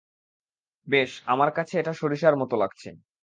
বেশ, আমার কাছে এটা সরিষার মতো লাগছে।